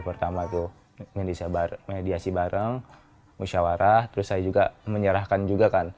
pertama tuh mediasi bareng musyawarah terus saya juga menyerahkan juga kan